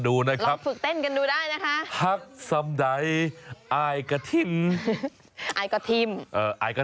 คุณครูก็อิ่มอกอิ่มใจแล้วแหละ